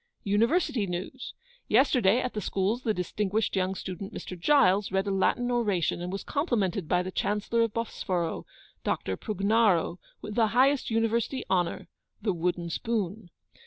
'UNIVERSITY NEWS. Yesterday, at the Schools, the distinguished young student, Mr. Giles, read a Latin oration, and was complimented by the Chancellor of Bosforo, Dr. Prugnaro, with the highest University honour the wooden spoon.